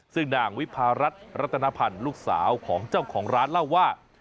ซึ่งนางวิพารัฐรัตนพันธ์ลูกสาวของเจ้าของร้านเล่าว่า